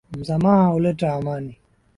Msamaha huleta amani.